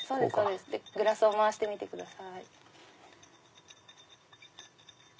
グラスを回してみてください。